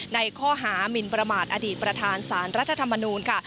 ในข้อหามินประมาทอดีตประธานสารรัฐธรรมนูลค่ะ